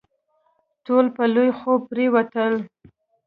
ټول په لوی خوب پرېوتل.